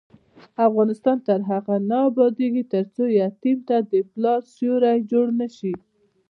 افغانستان تر هغو نه ابادیږي، ترڅو یتیم ته د پلار سیوری جوړ نشي.